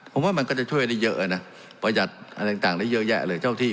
ผมว่ามันก็จะช่วยได้เยอะนะประหยัดอะไรต่างได้เยอะแยะเลยเจ้าที่